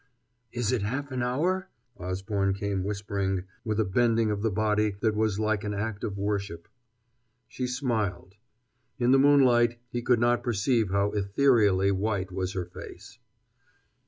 "Is it half an hour?" Osborne came whispering, with a bending of the body that was like an act of worship. She smiled. In the moonlight he could not perceive how ethereally white was her face.